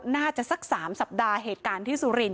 น่าจะสัก๓สัปดาห์เหตุการณ์ที่สูริน